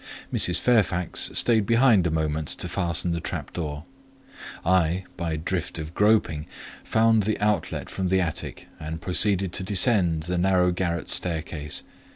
Mrs. Fairfax stayed behind a moment to fasten the trap door; I, by dint of groping, found the outlet from the attic, and proceeded to descend the narrow garret staircase.